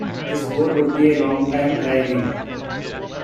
This goal would be a long time arriving.